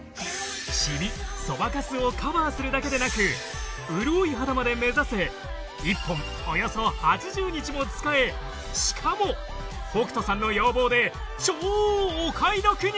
シミそばかすをカバーするだけでなく潤い肌まで目指せしかも北斗さんの要望で超お買い得に！